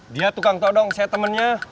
dia tukang todong saya temennya